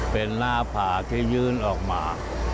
เป็นหน้าผากที่ยื่นออกมา